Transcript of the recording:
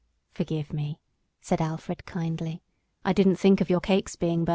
"Forgive me," said Alfred, kindly. "I didn't think of your cakes being burnt."